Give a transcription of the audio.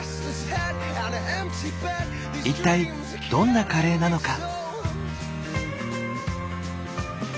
一体どんなカレーなのか？